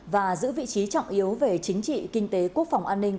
và giữ vị trí trọng yếu về chính trị kinh tế quốc phòng an ninh